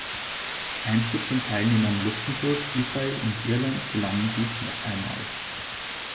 Einzig den Teilnehmern Luxemburg, Israel und Irland gelang dies noch einmal.